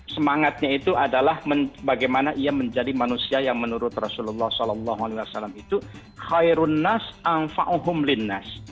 semangatnya itu adalah bagaimana ia menjadi manusia yang menurut rasulullah saw itu khairun nas ⁇ ang fauhumlinnas